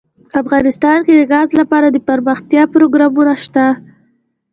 افغانستان کې د ګاز لپاره دپرمختیا پروګرامونه شته.